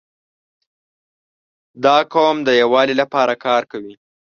• دا قوم د یووالي لپاره کار کوي.